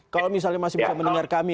kalau misalnya masih bisa mendengar kami